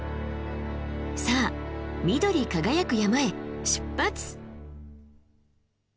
さあ緑輝く山へ出発！